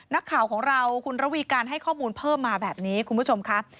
นักข่าวของเราคุณระวีการให้ข้อมูลเพิ่มมาแบบนี้คุณผู้ชมครับ